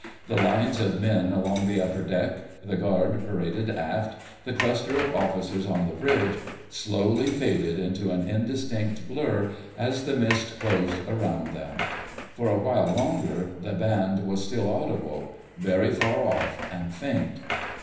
The lines of men along the upper deck, the guard paraded aft, the cluster of officers on the bridge, slowly faded into an indistinct blur as the mist closed round them. For a while longer the band was still audible, very far off and faint.